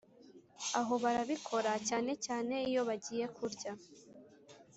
aho barabikora cyane cyane iyo bagiye kurya